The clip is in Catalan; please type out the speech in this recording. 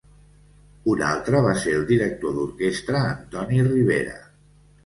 Un altre va ser el director d'orquestra Antoni Ribera.